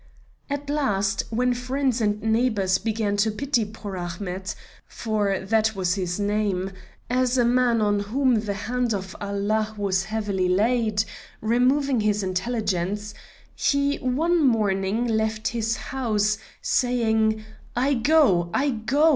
At last, when friends and neighbors began to pity poor Ahmet, for that was his name, as a man on whom the hand of Allah was heavily laid, removing his intelligence, he one morning left his house, saying: "I go! I go!